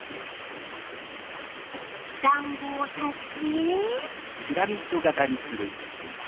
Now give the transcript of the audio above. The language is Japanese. だんごを足して。